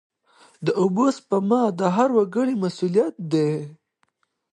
د اوبو سپما د هر وګړي مسوولیت دی.